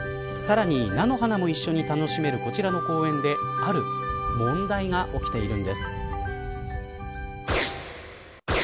さらに、菜の花も一緒に楽しめるこちらの公園である問題が起きているんです。